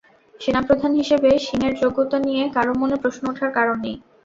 সেনাপ্রধান হিসেবে সিংয়ের যোগ্যতা নিয়ে কারও মনে প্রশ্ন ওঠার কারণ নেই।